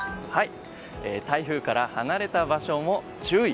台風から離れた場所も注意。